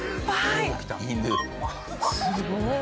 すごい。